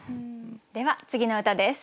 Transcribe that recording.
では次の歌です。